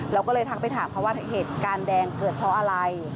เราก็เลยทักไปถามเขาว่าเหตุการณ์แดงเกิดเพราะอะไร